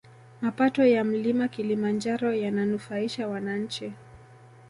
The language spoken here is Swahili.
Mapato ya mlima kilimanjaro yananufaisha wananchi